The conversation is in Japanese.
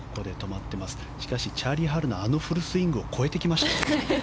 しかしチャーリー・ハルのあのフルスイングを超えてきました。